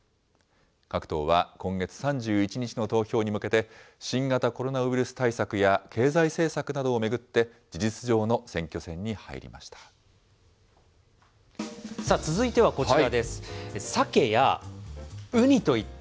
各党は今月３１日の投票に向けて、新型コロナウイルス対策や、経済政策などを巡って、事実上の選挙戦に入りました。